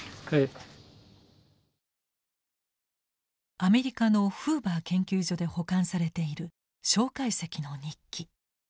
アメリカのフーバー研究所で保管されている介石の日記。